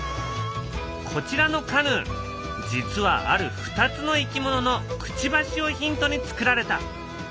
こちらのカヌー実はある２つのいきもののくちばしをヒントにつくられた。